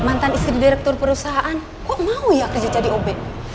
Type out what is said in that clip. mantan istri direktur perusahaan kok mau ya kerja jadi ob